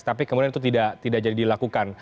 tapi kemudian itu tidak jadi dilakukan